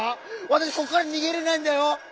わたしこっからにげれないんだよ。